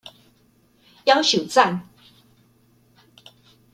妖受讚